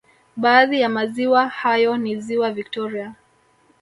Baadhi ya maziwa hayo ni ziwa Victoria